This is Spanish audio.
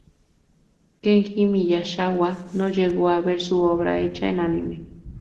Kenji Miyazawa no llegó a ver su obra hecha en anime.